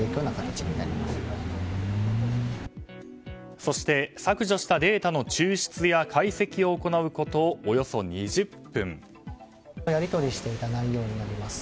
そして、削除したデータの抽出や解析を行うことおよそ２０分。